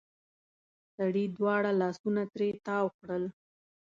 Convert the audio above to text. سړې دواړه لاسونه ترې تاو کړل.